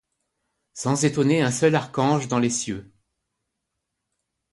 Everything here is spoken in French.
Sans étonner un seul archange dans les cieux !